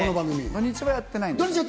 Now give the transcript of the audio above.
土日はやってないんだ。